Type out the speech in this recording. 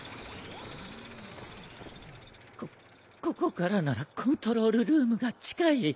こここからならコントロールルームが近い。